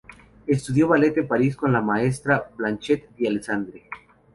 Estudió ballet en París con la Maestra Blanche D’Alessandri.